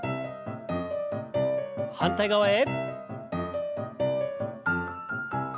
反対側へ。